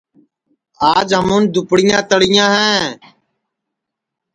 آج ہمُون دُپڑیاں تݪیاں ہے